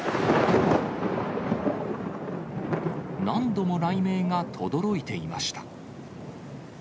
何度も雷鳴がとどろいていました。